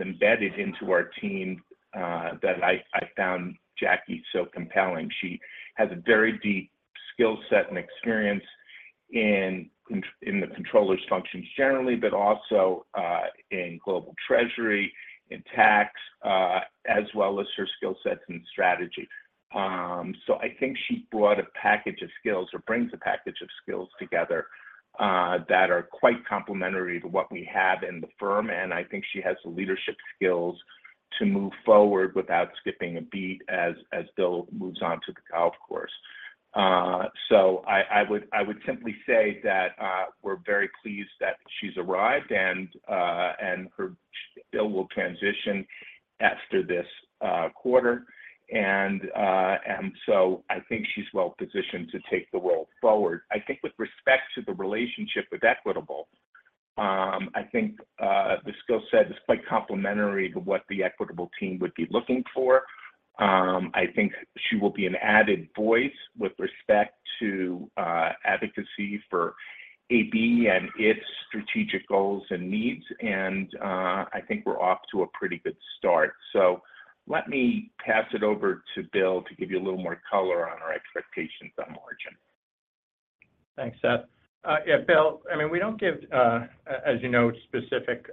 embedded into our team that I found Jackie so compelling. She has a very deep skill set and experience in the controller's function generally, but also in global treasury, in tax, as well as her skill sets and strategy. So I think she brought a package of skills or brings a package of skills together that are quite complementary to what we have in the firm, and I think she has the leadership skills to move forward without skipping a beat as Bill moves on to the golf course. So I would simply say that we're very pleased that she's arrived, and Bill will transition after this quarter. So I think she's well positioned to take the role forward. I think with respect to the relationship with Equitable, I think the skill set is quite complementary to what the Equitable team would be looking for. I think she will be an added voice with respect to advocacy for AB and its strategic goals and needs, and I think we're off to a pretty good start. So let me pass it over to Bill to give you a little more color on our expectations on margin. Thanks, Seth. Yeah, Bill, I mean, we don't give, as you know, specific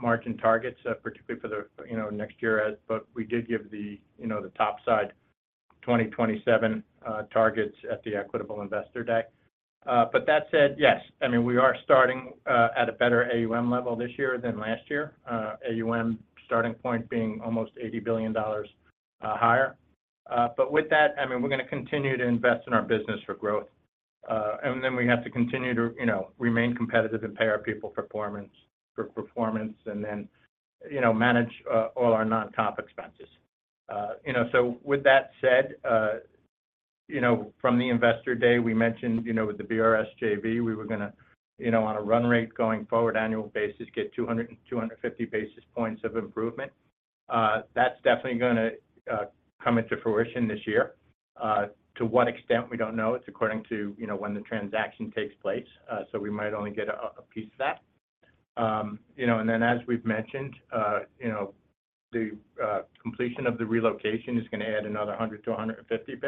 margin targets, particularly for the, you know, next year as- but we did give the, you know, the top side 2027 targets at the Equitable Investor Day. But that said, yes, I mean, we are starting at a better AUM level this year than last year. AUM starting point being almost $80 billion higher. But with that, I mean, we're gonna continue to invest in our business for growth. And then we have to continue to, you know, remain competitive and pay our people performance, for performance, and then, you know, manage all our non-comp expenses. You know, so with that said, you know, from the Investor Day, we mentioned, you know, with the BRS JV, we were gonna, you know, on a run rate going forward annual basis, get 200 and 250 basis points of improvement. That's definitely gonna come into fruition this year. To what extent? We don't know. It's according to, you know, when the transaction takes place, so we might only get a piece of that. You know, and then, as we've mentioned, you know, the completion of the relocation is gonna add another 100-150 basis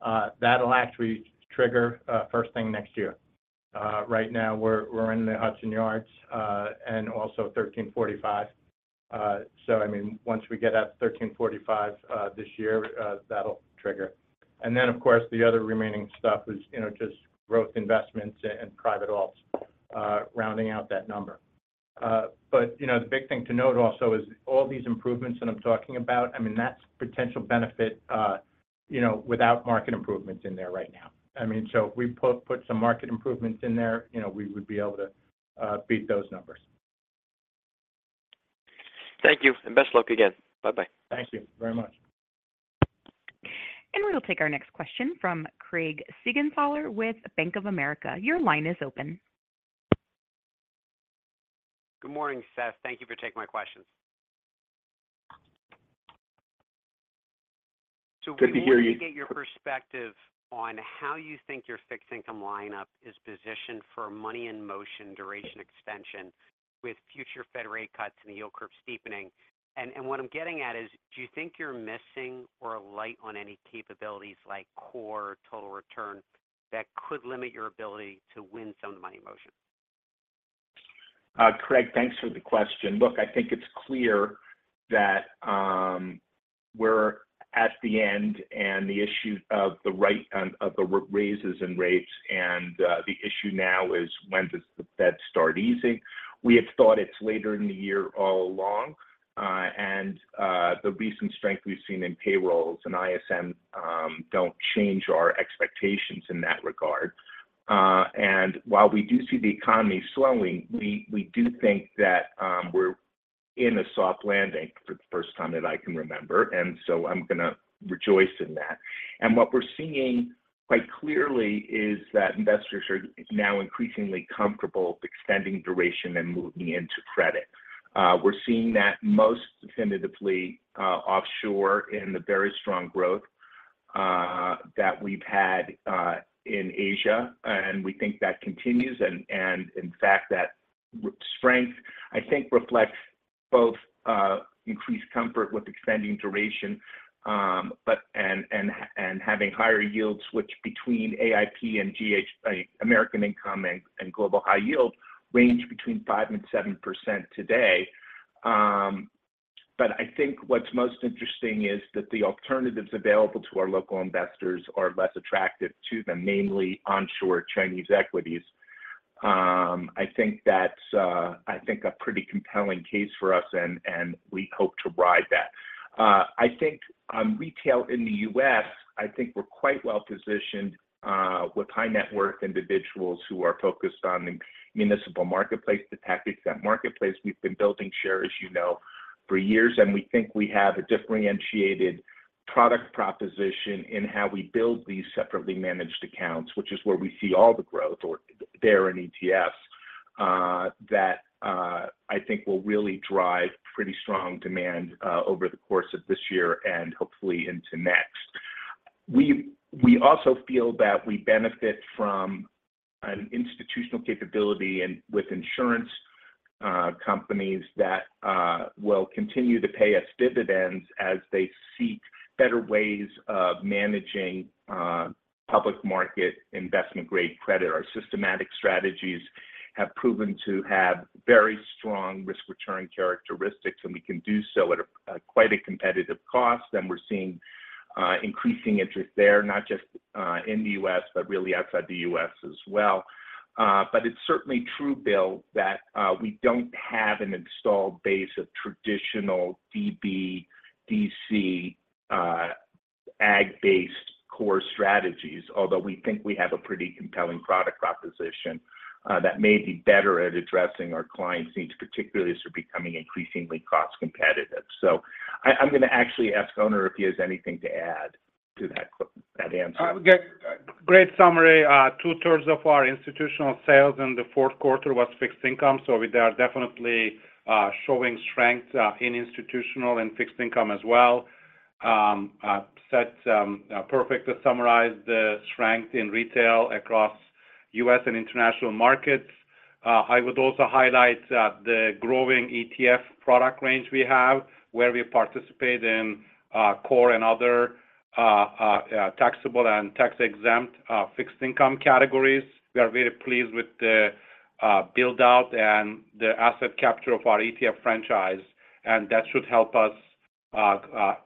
points. That'll actually trigger first thing next year. Right now, we're in the Hudson Yards, and also 1345. So I mean, once we get out to 1345, this year, that'll trigger. And then, of course, the other remaining stuff is, you know, just growth investments and private alts, rounding out that number. But, you know, the big thing to note also is all these improvements that I'm talking about, I mean, that's potential benefit, you know, without market improvements in there right now. I mean, so if we put some market improvements in there, you know, we would be able to beat those numbers. Thank you, and best luck again. Bye-bye. Thank you very much. We'll take our next question from Craig Siegenthaler with Bank of America. Your line is open. Good morning, Seth. Thank you for taking my questions. Good to hear you. So we want to get your perspective on how you think your fixed income lineup is positioned for money in motion, duration extension, with future Fed rate cuts and the yield curve steepening. And what I'm getting at is, do you think you're missing or light on any capabilities like core total return, that could limit your ability to win some of the money in motion? Craig, thanks for the question. Look, I think it's clear that we're at the end, and the issue of the rate raises in rates and the issue now is when does the Fed start easing? We have thought it's later in the year all along, and the recent strength we've seen in payrolls and ISM don't change our expectations in that regard. And while we do see the economy slowing, we do think that we're in a soft landing for the first time that I can remember, and so I'm gonna rejoice in that. And what we're seeing quite clearly is that investors are now increasingly comfortable extending duration and moving into credit. We're seeing that most definitively, offshore in the very strong growth that we've had in Asia, and we think that continues. In fact, that strength, I think, reflects both increased comfort with extending duration and having higher yields, which between American Income and Global High Yield range 5%-7% today. But I think what's most interesting is that the alternatives available to our local investors are less attractive to them, mainly onshore Chinese equities. I think that's a pretty compelling case for us, and we hope to ride that. I think on retail in the U.S., we're quite well positioned with high-net-worth individuals who are focused on the municipal marketplace, the tax-exempt marketplace. We've been building share, as you know, for years, and we think we have a differentiated product proposition in how we build these separately managed accounts, which is where we see all the growth or there in ETFs, that, I think will really drive pretty strong demand, over the course of this year and hopefully into next. We also feel that we benefit from an institutional capability and with insurance companies that will continue to pay us dividends as they seek better ways of managing public market investment-grade credit. Our systematic strategies have proven to have very strong risk-return characteristics, and we can do so at quite a competitive cost. And we're seeing increasing interest there, not just in the U.S., but really outside the U.S. as well. But it's certainly true, Bill, that we don't have an installed base of traditional DB, DC, Agg-based core strategies, although we think we have a pretty compelling product proposition that may be better at addressing our clients' needs, particularly as they're becoming increasingly cost-competitive. So I'm going to actually ask Onur if he has anything to add to that answer. Great summary. Two-thirds of our institutional sales in the fourth quarter was fixed income, so we are definitely showing strength in institutional and fixed income as well. Seth perfectly summarized the strength in retail across U.S. and international markets. I would also highlight the growing ETF product range we have, where we participate in core and other taxable and tax-exempt fixed income categories. We are very pleased with the build-out and the asset capture of our ETF franchise, and that should help us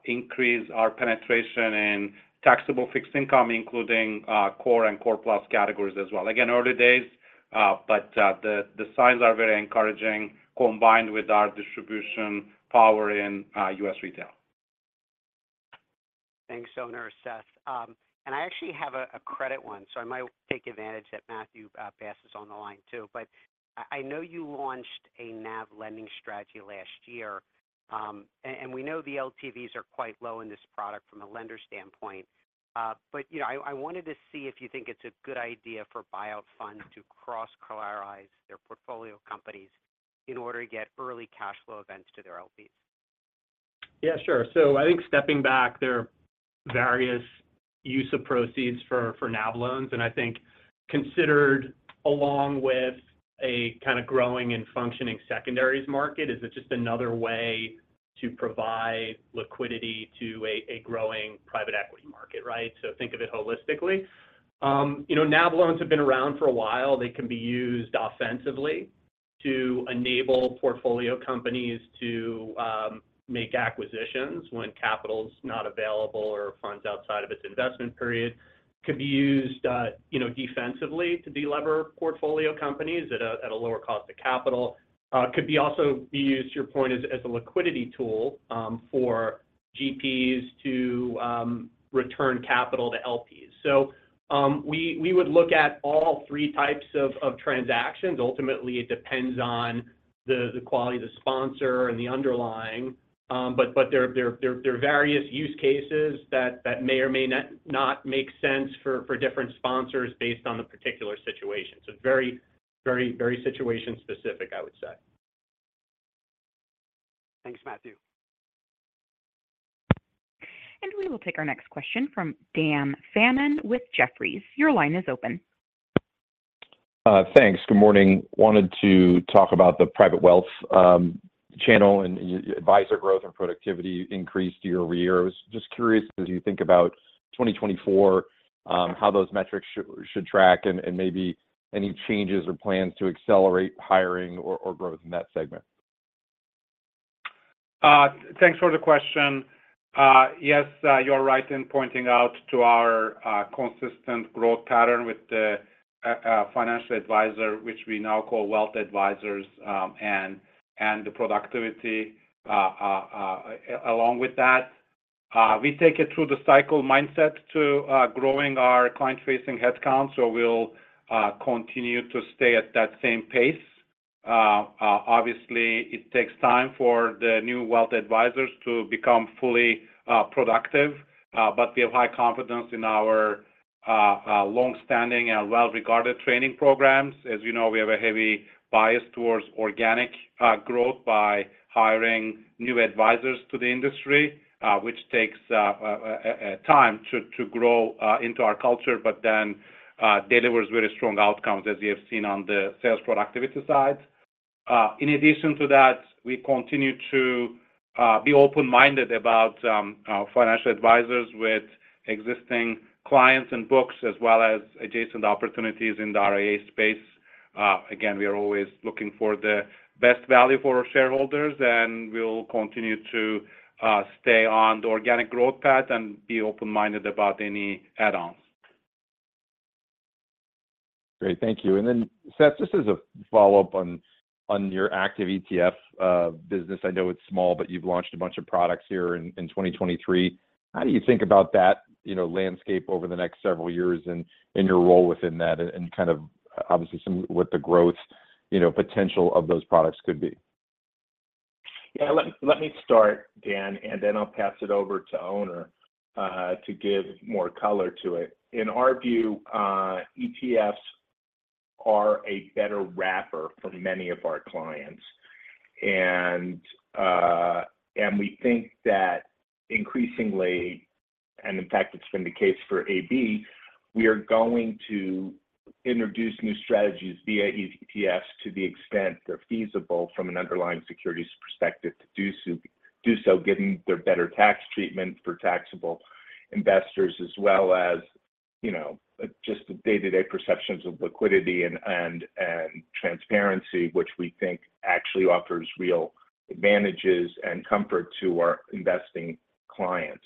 increase our penetration in taxable fixed income, including core and core plus categories as well. Again, early days, but the signs are very encouraging, combined with our distribution power in U.S. retail. Thanks, Onur, Seth. And I actually have a credit one, so I might take advantage that Matthew Bass is on the line too. But I know you launched a NAV lending strategy last year, and we know the LTVs are quite low in this product from a lender standpoint. But you know, I wanted to see if you think it's a good idea for buyout funds to cross-collateralize their portfolio companies in order to get early cash flow events to their LPs. Yeah, sure. So I think stepping back, there are various use of proceeds for, for NAV loans, and I think considered along with a kind of growing and functioning secondaries market, is it just another way to provide liquidity to a, a growing private equity market, right? So think of it holistically. You know, NAV loans have been around for a while. They can be used offensively to enable portfolio companies to, make acquisitions when capital's not available or funds outside of its investment period. Could be used, you know, defensively to delever portfolio companies at a, at a lower cost of capital. Could be also be used, to your point, as, as a liquidity tool, for GPs to, return capital to LPs. So, we, we would look at all three types of, of transactions. Ultimately, it depends on the quality of the sponsor and the underlying. But there are various use cases that may or may not make sense for different sponsors based on the particular situation. So very situation-specific, I would say. Thanks, Matthew. We will take our next question from Dan Fannon with Jefferies. Your line is open. Thanks. Good morning. Wanted to talk about the private wealth channel and advisor growth and productivity increased year over year. I was just curious, as you think about 2024, how those metrics should track and maybe any changes or plans to accelerate hiring or growth in the net segment? Thanks for the question. Yes, you're right in pointing out to our consistent growth pattern with the financial advisor, which we now call wealth advisors, and the productivity along with that. We take it through the cycle mindset to growing our client-facing headcount, so we'll continue to stay at that same pace. Obviously, it takes time for the new wealth advisors to become fully productive, but we have high confidence in our long-standing and well-regarded training programs. As you know, we have a heavy bias towards organic growth by hiring new advisors to the industry, which takes time to grow into our culture, but then delivers very strong outcomes, as you have seen on the sales productivity side. In addition to that, we continue to be open-minded about financial advisors with existing clients and books, as well as adjacent opportunities in the RIA space. Again, we are always looking for the best value for our shareholders, and we'll continue to stay on the organic growth path and be open-minded about any add-ons. Great. Thank you. And then, Seth, just as a follow-up on your active ETF business, I know it's small, but you've launched a bunch of products here in 2023. How do you think about that, you know, landscape over the next several years and your role within that, and kind of obviously somewhat the growth, you know, potential of those products could be? Yeah. Let me start, Dan, and then I'll pass it over to Onur to give more color to it. In our view, ETFs are a better wrapper for many of our clients. And we think that increasingly, and in fact, it's been the case for AB, we are going to introduce new strategies via ETFs to the extent they're feasible from an underlying securities perspective to do so given their better tax treatment for taxable investors, as well as, you know, just the day-to-day perceptions of liquidity and transparency, which we think actually offers real advantages and comfort to our investing clients.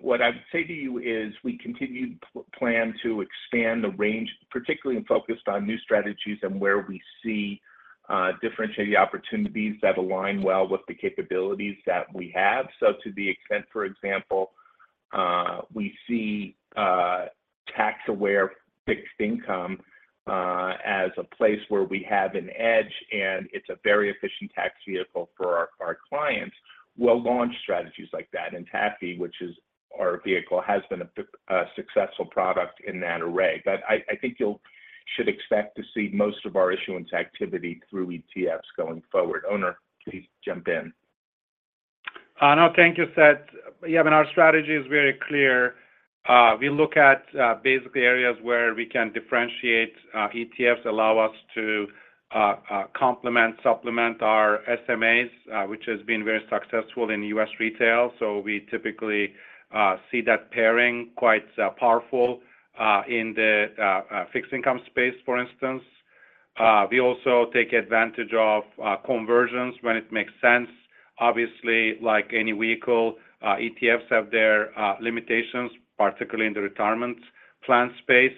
What I would say to you is we continue to plan to expand the range, particularly focused on new strategies and where we see differentiated opportunities that align well with the capabilities that we have. So to the extent, for example, we see tax-aware fixed income as a place where we have an edge and it's a very efficient tax vehicle for our, our clients, we'll launch strategies like that. And TAFI, which is our vehicle, has been a successful product in that array. But I, I think you'll should expect to see most of our issuance activity through ETFs going forward. Onur, please jump in. No, thank you, Seth. Yeah, but our strategy is very clear. We look at basically areas where we can differentiate. ETFs allow us to complement, supplement our SMAs, which has been very successful in U.S. retail. So we typically see that pairing quite powerful in the fixed income space, for instance. We also take advantage of conversions when it makes sense. Obviously, like any vehicle, ETFs have their limitations, particularly in the retirement plan space.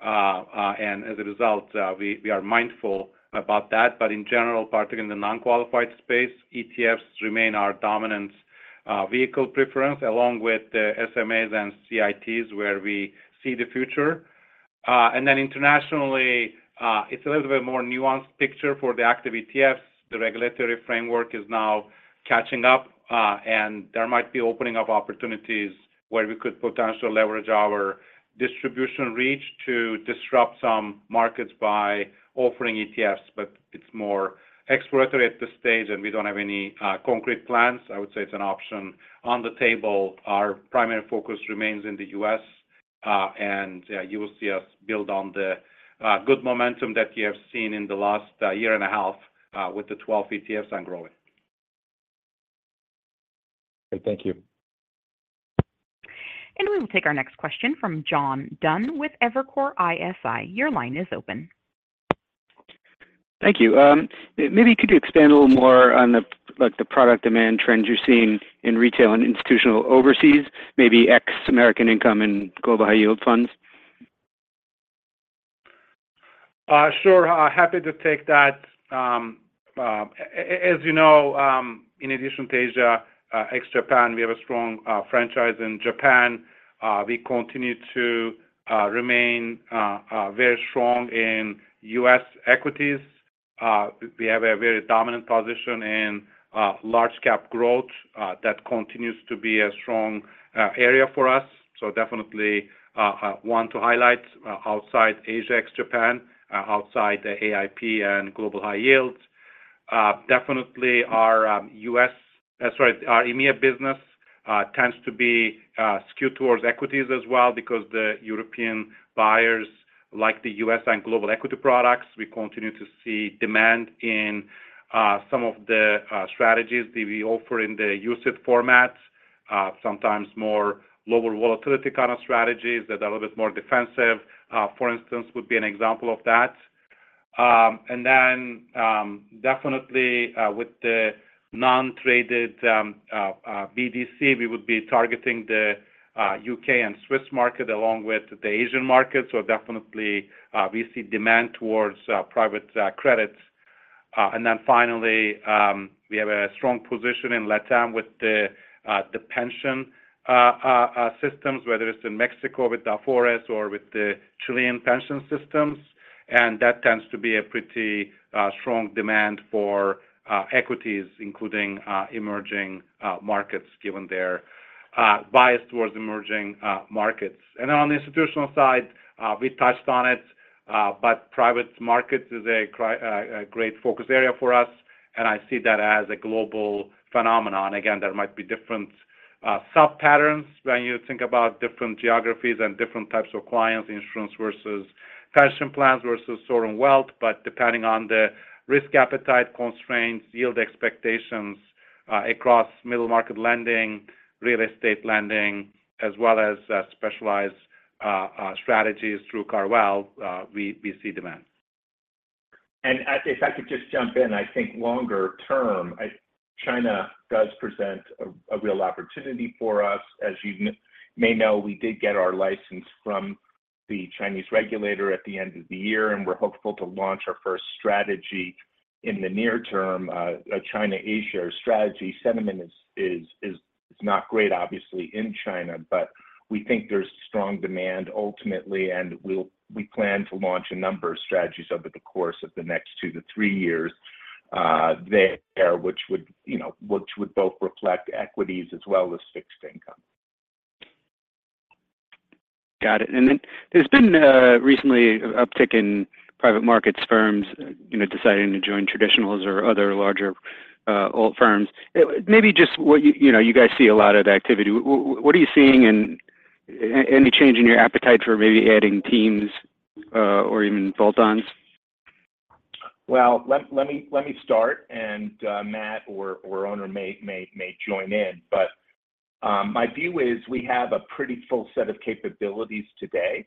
And as a result, we are mindful about that, but in general, particularly in the non-qualified space, ETFs remain our dominant vehicle preference, along with the SMAs and CITs, where we see the future. And then internationally, it's a little bit more nuanced picture for the active ETFs. The regulatory framework is now catching up, and there might be opening of opportunities where we could potentially leverage our distribution reach to disrupt some markets by offering ETFs, but it's more exploratory at this stage, and we don't have any, concrete plans. I would say it's an option on the table. Our primary focus remains in the U.S., and you will see us build on the good momentum that you have seen in the last year and a half with the 12 ETFs and growing. Great. Thank you. We will take our next question from John Dunn with Evercore ISI. Your line is open. Thank you. Maybe could you expand a little more on the, like, the product demand trends you're seeing in retail and institutional overseas, maybe ex-American Income and Global High Yield funds? Sure. Happy to take that. As you know, in addition to Asia ex-Japan, we have a strong franchise in Japan. We continue to remain very strong in U.S. equities. We have a very dominant position in large-cap growth. That continues to be a strong area for us. So definitely want to highlight outside Asia ex-Japan, outside the AIP and global high yields. Definitely our U.S. Sorry, our EMEA business tends to be skewed towards equities as well because the European buyers like the U.S. and global equity products. We continue to see demand in some of the strategies that we offer in the UCITS format, sometimes more lower volatility kind of strategies that are a little bit more defensive, for instance, would be an example of that. And then, definitely, with the non-traded BDC, we would be targeting the U.K. and Swiss market, along with the Asian market. So definitely, we see demand towards private credits. And then finally, we have a strong position in LatAm with the pension systems, whether it's in Mexico with Afores or with the Chilean pension systems. And that tends to be a pretty strong demand for equities, including emerging markets, given their bias towards emerging markets. On the institutional side, we touched on it, but private markets is a great focus area for us, and I see that as a global phenomenon. Again, there might be different sub patterns when you think about different geographies and different types of clients, insurance versus pension plans versus sovereign wealth, but depending on the risk appetite, constraints, yield expectations, across middle-market lending, real estate lending, as well as, specialized strategies through CarVal, we see demand. And if I could just jump in, I think longer term, I, China does present a real opportunity for us. As you may know, we did get our license from the Chinese regulator at the end of the year, and we're hopeful to launch our first strategy in the near term, a China A-share strategy. Sentiment is not great, obviously, in China, but we think there's strong demand ultimately, and we'll plan to launch a number of strategies over the course of the next two to three years, there, which would, you know, both reflect equities as well as fixed income. ... Got it. And then there's been a recent uptick in private markets firms, you know, deciding to join traditionals or other larger alt firms. Maybe just what you, you know, you guys see a lot of the activity. What are you seeing, and any change in your appetite for maybe adding teams or even bolt-ons? Well, let me start, and Matt or Onur may join in. But my view is we have a pretty full set of capabilities today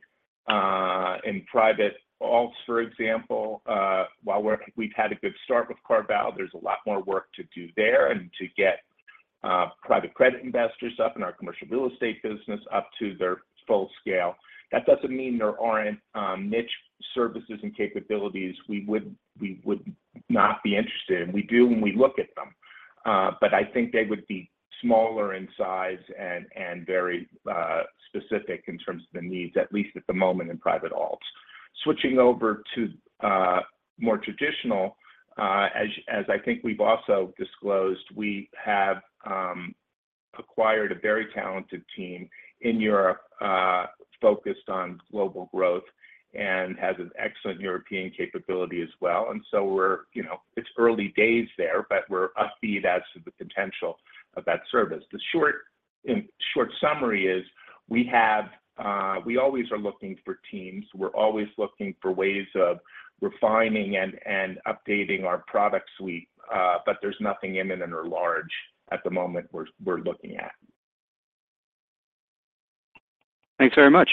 in private alts, for example. While we're-- we've had a good start with CarVal, there's a lot more work to do there and to get private credit investors up in our commercial real estate business up to their full scale. That doesn't mean there aren't niche services and capabilities we would not be interested in. We do when we look at them. But I think they would be smaller in size and very specific in terms of the needs, at least at the moment in private alts. Switching over to more traditional, as I think we've also disclosed, we have acquired a very talented team in Europe, focused on global growth and has an excellent European capability as well. And so we're, you know, it's early days there, but we're upbeat as to the potential of that service. The short, in short summary is we have, we always are looking for teams, we're always looking for ways of refining and updating our product suite, but there's nothing imminent or large at the moment we're looking at. Thanks very much.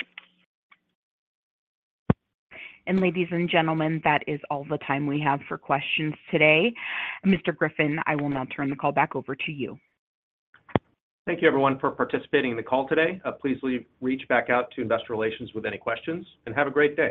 Ladies and gentlemen, that is all the time we have for questions today. Mr. Griffin, I will now turn the call back over to you. Thank you, everyone, for participating in the call today. Please reach back out to Investor Relations with any questions, and have a great day.